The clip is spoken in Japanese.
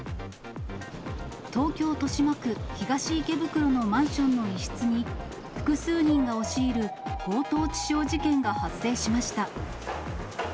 東京・豊島区東池袋のマンションの一室に、複数人が押し入る強盗致傷事件が発生しました。